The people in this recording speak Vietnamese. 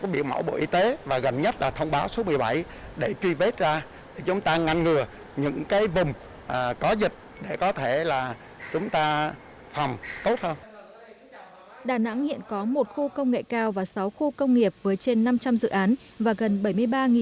đà nẵng hiện có một khu công nghệ cao và sáu khu công nghiệp với trên năm trăm linh dự án và gần bảy mươi ba